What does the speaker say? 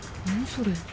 それ。